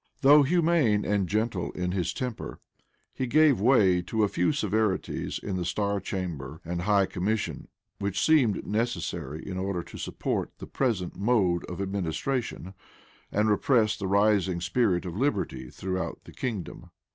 Though humane and gentle in his temper, he gave way to a few severities in the star chamber and high commission, which seemed necessary in order to support the present mode of administration, and repress the rising spirit of liberty throughout the kingdom.